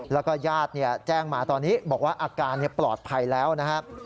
แล้วก็ญาติแจ้งมาตอนนี้บอกว่าอาการปลอดภัยแล้วนะครับ